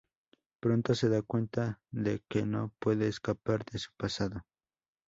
Pronto se da cuenta de que no puede escapar de su pasado.